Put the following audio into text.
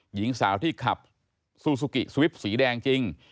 หญิงสาวที่ขับซูซูกิสวิปสีแดงจริง